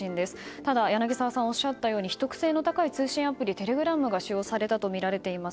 ただ柳澤さんがおっしゃったように秘匿性の高い通信アプリテレグラムが使用されたとみられています。